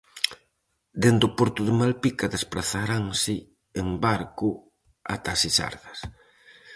Dende o porto de Malpica desprazaranse en barco ata as Sisargas.